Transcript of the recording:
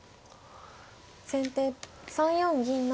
先手３四銀成。